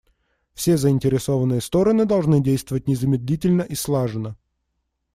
Все заинтересованные стороны должны действовать незамедлительно и слаженно.